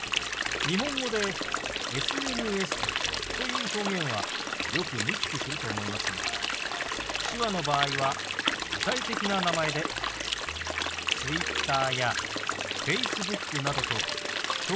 日本語でＳＮＳという表現はよく見聞きすると思いますが手話の場合は具体的な名前でＴｗｉｔｔｅｒやＦａｃｅｂｏｏｋなどと表現することが多いんですよ。